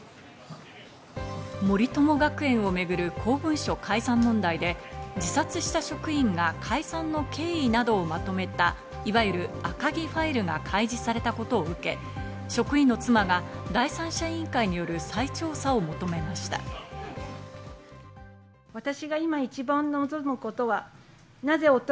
森友学園をめぐる公文書改ざん問題で、自殺した職員が改ざんの経緯などをまとめたいわゆる赤木ファイルが開示されたことを受け、職員の妻が第三者委員会による再調査を求めました。